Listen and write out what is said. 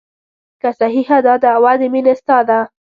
که صحیحه دا دعوه د مینې ستا ده.